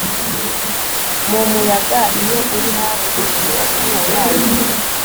Mu muyaga iyo uri hafi umuyaga uhuha